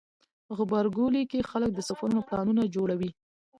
غبرګولی کې خلک د سفرونو پلانونه جوړوي.